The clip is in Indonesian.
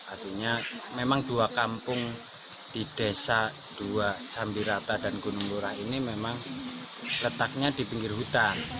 artinya memang dua kampung di desa dua sambirata dan gunung lurah ini memang letaknya di pinggir hutan